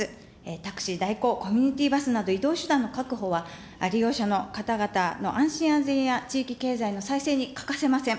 タクシー代行、コミュニティバスなど、移動手段の確保は、利用者の方々の安心・安全や地域経済の再生に欠かせません。